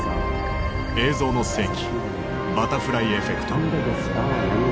「映像の世紀バタフライエフェクト」。